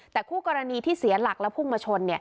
แต่คู่กรณีที่เสียหลักแล้วพุ่งมาชน